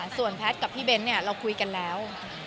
ส่วนแพทย์กับพี่เบ้นเราคุยกันแล้ว